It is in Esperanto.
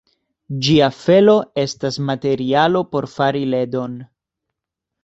Ĝia felo estas materialo por fari ledon.